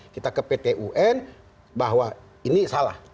kita ke pt un bahwa ini salah